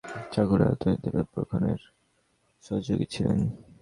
তিনি রাধাকান্ত দেব, দেবেন্দ্রনাথ ঠাকুর, আশুতোষ দেব প্রমুখের অন্যতম সহযোগী ছিলেন।